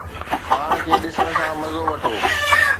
پاڻ کي ڏسڻ سان مزو وٺو